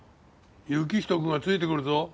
行人君がついてくるぞ。